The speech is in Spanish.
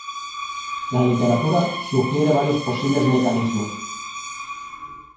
La literatura sugiere varios posibles mecanismos.